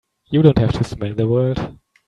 You don't have to smell the world!